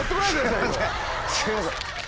すいません。